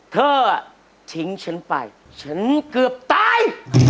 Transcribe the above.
เธอทิ้งฉันไปฉันเกือบตาย